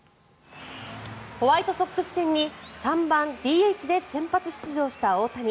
ホワイトソックス戦に３番ＤＨで先発出場した大谷。